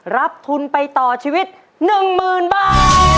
รับทุนไปต่อชีวิต๑๐๐๐บาท